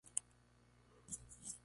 El pronto fue promovido a capitán.